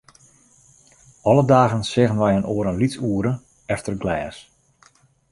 Alle dagen seagen wy inoar in lyts oere, efter glês.